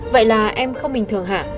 vậy là em không bình thường hả